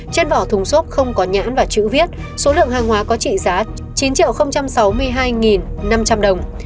trên vỏ thùng xốp không có nhãn và chữ viết số lượng hàng hóa có trị giá chín sáu mươi hai năm trăm linh đồng